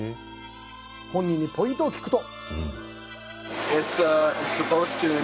本人にポイントを聞くと